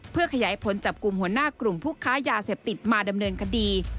เพื่อขยายผลจับกลุ่มหัวหน้ากลุ่มผู้ค้ายาเสพติดมาดำเนินคดี